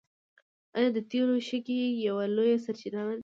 آیا د تیلو شګې یوه لویه سرچینه نه ده؟